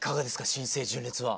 新生純烈は。